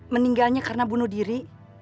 meninggalnya karena bunuh diri